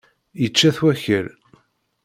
Yečča-t wakal.